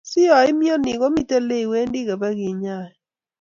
si yoimnyoni, komiten olewendi kebigenyoi